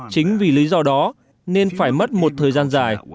chính vì lý do đó nên phải mất một thời gian dài